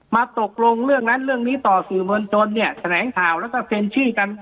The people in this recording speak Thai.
ตกลงเรื่องนั้นเรื่องนี้ต่อสื่อมวลชนเนี่ยแถลงข่าวแล้วก็เซ็นชื่อกัน